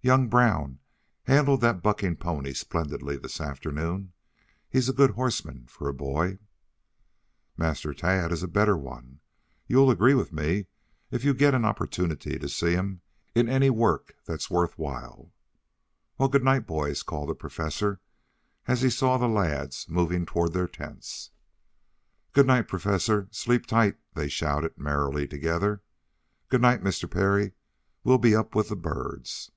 "Young Brown handled that bucking pony splendidly this afternoon. He's a good horseman for a boy." "Master Tad is a better one. You'll agree with me if you get an opportunity to see him in any work that's worth while." "Well, good night, boys," called the Professor, as he saw the lads moving toward their tents. "Good night, Professor, sleep tight," they shouted merrily altogether. "Good night, Mr. Parry. We'll be up with the birds."